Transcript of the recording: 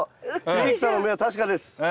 秀樹さんの目は確かです。